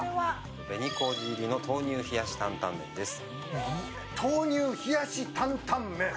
紅麹入りの豆乳冷やし担々麺です。